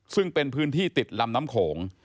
ซึ่งเป็นพื้นที่ติดลำน้ำโขง